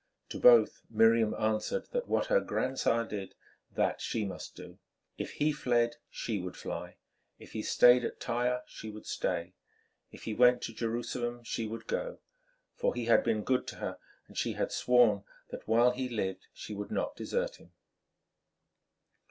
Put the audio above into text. To both Miriam answered that what her grandsire did, that she must do. If he fled, she would fly; if he stayed at Tyre, she would stay; if he went to Jerusalem, she would go; for he had been good to her and she had sworn that while he lived she would not desert him.